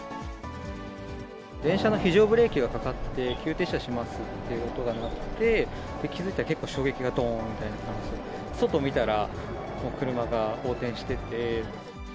電車の非常ブレーキがかかって、急停車しますって音が鳴って、気付いたら衝撃がどーんみたいな感じで、外見たら、もう車が横転してて。